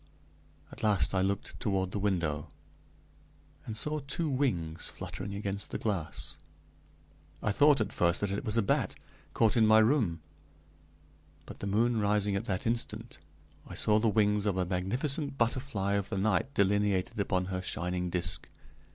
At last I looked toward the window, and saw two wings fluttering against the glass. I thought, at first, that it was a bat, caught in my room; but, the moon rising at that instant, I saw the wings of a magnificent butterfly of the night delineated upon her shining disk.